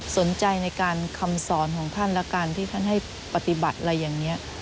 สนใจในการคำสอนของท่านและการที่ท่านให้ปฏิบัติอะไรอย่างนี้